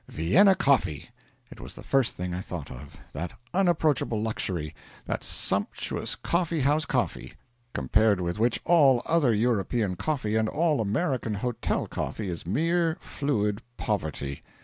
Vienna coffee! It was the first thing I thought of that unapproachable luxury that sumptuous coffee house coffee, compared with which all other European coffee and all American hotel coffee is mere fluid poverty.